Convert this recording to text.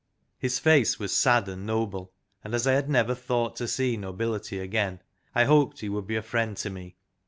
His face was sad and noble, and as I had never thought to see nobility again, I hoped he would be a friend to me.